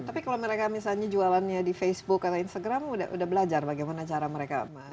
tapi kalau mereka misalnya jualannya di facebook atau instagram udah belajar bagaimana cara mereka